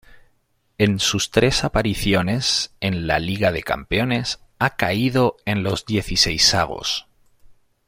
En sus tres apariciones en la Liga de Campeones ha caído en los dieciseisavos.